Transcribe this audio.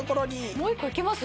もう１個いけます？